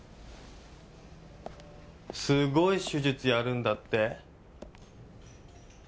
すごい手術やるんだって？